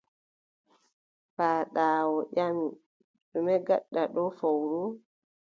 Paaɗaawu ƴami: ɗume ngaɗɗa ɗo fowru?